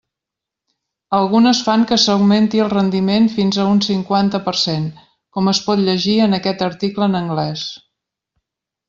Algunes fan que s'augmenti el rendiment fins a un cinquanta per cent, com es pot llegir en aquest article en anglès.